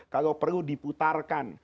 kalau perlu diputarkan